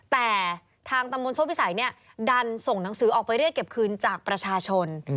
แต่ทางตำบลโซ่พิสัยเนี่ยดันส่งหนังสือออกไปเรียกเก็บคืนจากประชาชน